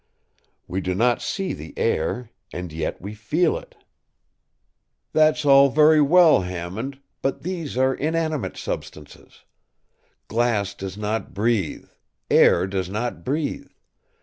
We do not see the air, and yet we feel it.” “That’s all very well, Hammond, but these are inanimate substances. Glass does not breathe, air does not breathe.